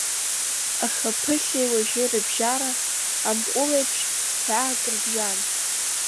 Аха Ԥыхьеи уажәи рыбжьара, Амҟәыл еиԥш ҳәаак рыбжьан…